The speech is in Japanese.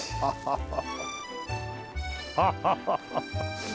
ハハハハハ。